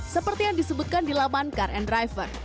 seperti yang disebutkan di laman car and driver